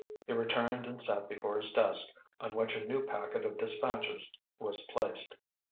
He returned and sat before his desk, on which a new packet of dispatches was placed.